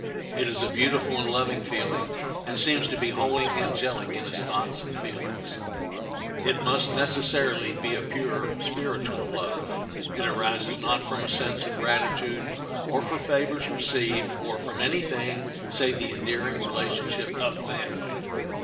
It is a beautiful and lovely feeling, and seems to be wholly angelic in its thoughts and feelings. It must necessarily be a pure, spiritual love. It arises, not from a sense of gratitude, or for favors received, or from any thing save the endearing relationship of family.